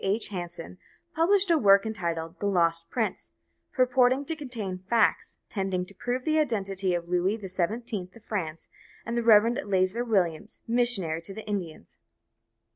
H. Hanson published a work entitled "The Lost Prince," purporting to contain "Facts tending to prove the identity of Louis the Seventeenth of France and the Rev. Eleazar Williams, Missionary to the Indians."